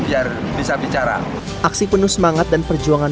iya salut sekali